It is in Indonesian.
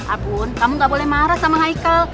abun kamu gak boleh marah sama hicle